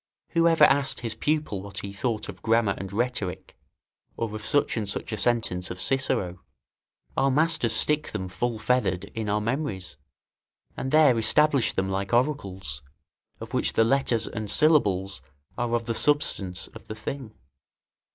Whoever asked his pupil what he thought of grammar and rhetoric, or of such and such a sentence of Cicero? Our masters stick them, full feathered, in our memories, and there establish them like oracles, of which the letters and syllables are of the substance of the thing.